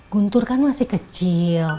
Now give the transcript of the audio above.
guntur kan masih kecil